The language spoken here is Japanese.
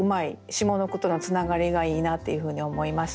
下の句とのつながりがいいなっていうふうに思いました。